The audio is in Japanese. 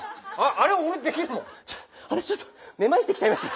あたしちょっと目まいしてきちゃいまして。